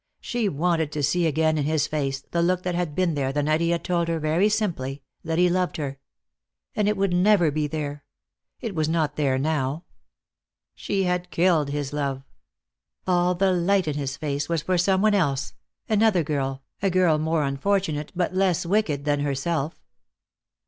She wanted to see again in his face the look that had been there the night he had told her, very simply, that he loved her. And it would never be there; it was not there now. She had killed his love. All the light in his face was for some one else, another girl, a girl more unfortunate but less wicked than herself.